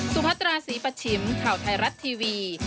สุพัตราสีประชิมข่าวไทยรัตน์ทีวี